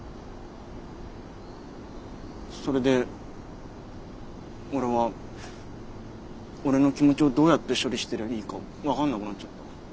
それで俺は俺の気持ちをどうやって処理したらいいか分かんなくなっちゃった。